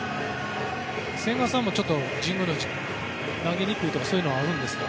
千賀さんもちょっと神宮投げにくいとかそういうのはあるんですか？